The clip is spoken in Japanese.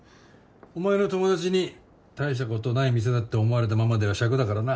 お前の友達に大したことない店だって思われたままではしゃくだからな。